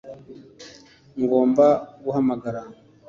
Ngomba guhamagara